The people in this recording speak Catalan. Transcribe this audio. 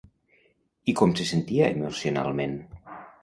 I com se sentia emocionalment?